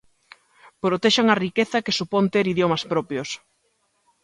Protexan a riqueza que supón ter idiomas propios.